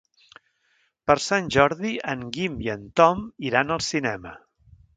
Per Sant Jordi en Guim i en Tom iran al cinema.